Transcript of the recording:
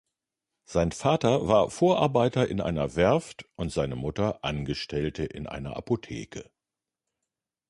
Sein Vater war Vorarbeiter in einer Werft und seine Mutter Angestellte in einer Apotheke.